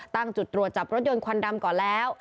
ตั้งจุดตรวจจับรถยนต์ควันดำก่อนแล้ว